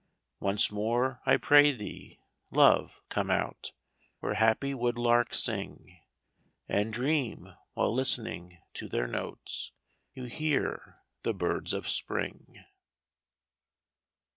Once more, I pray thee, love, come out, Where happy woodlarks sing, And dream, while listening to their notes, You hear the birds of Spring.